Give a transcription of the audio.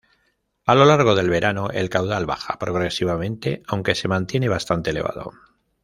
A lo largo del verano, el caudal baja progresivamente aunque se mantiene bastante elevado.